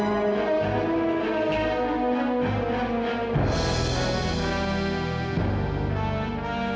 aku mau nyelam